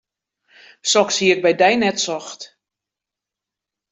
Soks hie ik by dy net socht.